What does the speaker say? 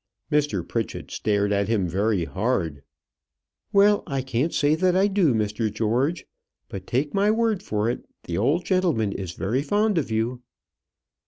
Mr. Pritchett stared at him very hard. "Well, I can't say that I do, Mr. George; but take my word for it, the old gentleman is very fond of you."